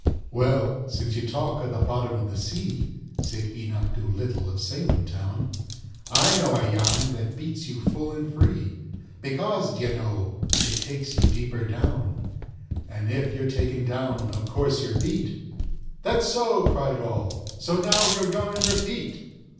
"Well—since you talk o' the bottom of the sea," Said Enoch Doolittle of Salem town, "I know a yarn that beats you full and free, Because, d'ye know, it takes you deeper down, And if you're taken down—of course you're beat." "That's so," cried all, "so now your yarn repeat!"